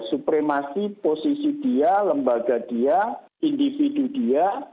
supremasi posisi dia lembaga dia individu dia